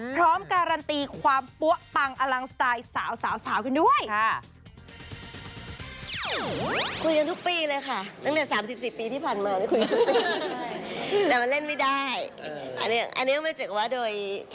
พร้อมการันตีความปั๊วปังอลังสไตล์สาวกันด้วยค่ะ